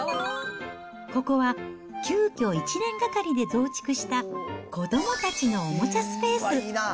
ここは急きょ、１年がかりで増築した子どもたちのおもちゃスペース。